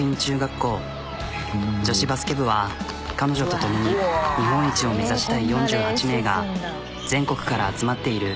女子バスケ部は彼女とともに日本一を目指したい４８名が全国から集まっている。